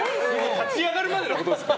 立ち上がるまでのことですか。